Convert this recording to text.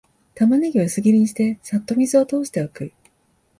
タマネギは薄切りにして、さっと水を通しておく